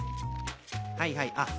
はいはいあっ